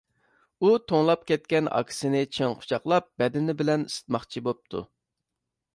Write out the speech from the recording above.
ئۇ توڭلاپ كەتكەن ئاكىسىنى چىڭ قۇچاقلاپ بەدىنى بىلەن ئىسسىتماقچى بوپتۇ.